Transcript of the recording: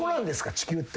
地球って。